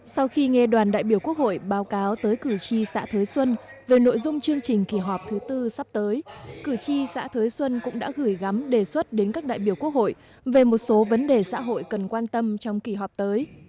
sau khi nghe đoàn đại biểu quốc hội báo cáo tới cử tri xã thới xuân về nội dung chương trình kỳ họp thứ tư sắp tới cử tri xã thới xuân cũng đã gửi gắm đề xuất đến các đại biểu quốc hội về một số vấn đề xã hội cần quan tâm trong kỳ họp tới